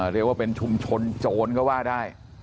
เรียกว่าเป็นชุมชนโจรก็ว่าได้